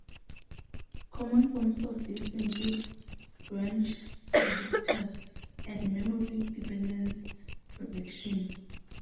Common forms of this include branch predictors, and memory dependence prediction.